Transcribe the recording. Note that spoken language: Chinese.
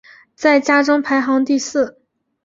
在家中排行第四。